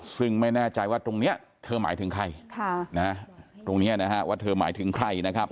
ซึ่งไม่แน่ใจว่าตรงนี้เธอหมายถึงใครตรงนี้นะฮะว่าเธอหมายถึงใครนะครับ